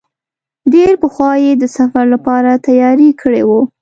ډېر پخوا یې د سفر لپاره تیاری کړی و.